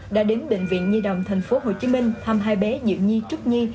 đã đến bệnh viện nhi đồng tp hcm thăm hai bé diệu nhi trúc nhi